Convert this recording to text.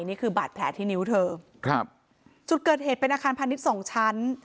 นี่คือบาดแผลที่นิ้วเธอครับจุดเกิดเหตุเป็นอาคารพาณิชย์สองชั้น